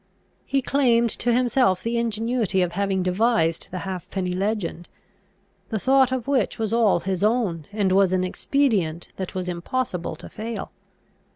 He claimed to himself the ingenuity of having devised the halfpenny legend, the thought of which was all his own, and was an expedient that was impossible to fail.